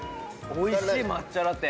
おいしい抹茶ラテ。